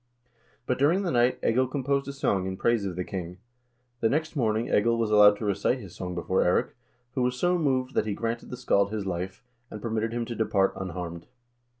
But during the night, Egil composed a song in praise of the king. The next morning Egil was allowed to recite his song before Eirik, who was so moved that he granted the scald his life, and permitted him to depart unharmed.